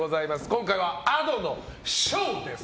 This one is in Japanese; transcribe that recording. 今回はＡｄｏの「唱」です。